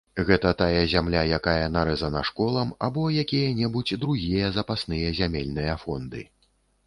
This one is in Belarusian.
Гэта тая зямля, якая нарэзана школам, або якія-небудзь другія запасныя зямельныя фонды.